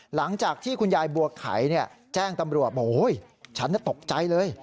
หลังจากที่คุณยายบัวไขแจ้งตำรวจบอกฉันตกใจเลย